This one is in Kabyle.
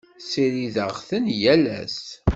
Ssirideɣ-ten yal ass.